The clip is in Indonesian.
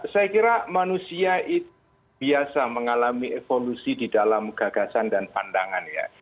saya kira manusia itu biasa mengalami evolusi di dalam gagasan dan pandangan ya